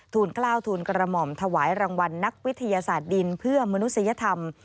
กล้าวทูลกระหม่อมถวายรางวัลนักวิทยาศาสตร์ดินเพื่อมนุษยธรรม